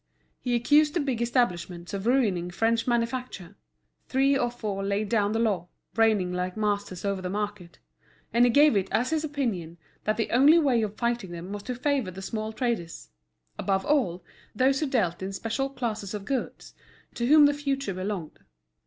He accused the big establishments of ruining French manufacture; three or four laid down the law, reigning like masters over the market; and he gave it as his opinion that the only way of fighting them was to favour the small traders; above all, those who dealt in special classes of goods, to whom the future belonged.